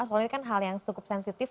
soal ini kan hal yang cukup sensitif